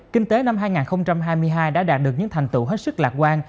kinh tế năm hai nghìn hai mươi hai đã đạt được những thành tựu hết sức lạc quan